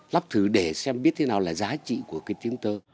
lắp thử để xem biết thế nào là giá trị của cái tiếng tơ